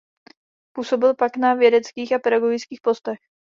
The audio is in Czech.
Působil pak na vědeckých a pedagogických postech.